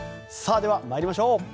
では参りましょう。